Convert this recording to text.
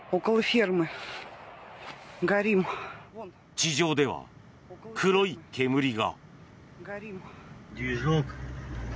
地上では黒い煙が。